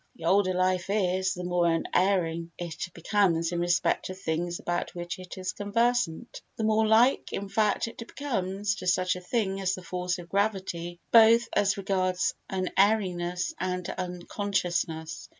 The older life is, the more unerring it becomes in respect of things about which it is conversant—the more like, in fact, it becomes to such a thing as the force of gravity, both as regards unerringness and unconsciousness.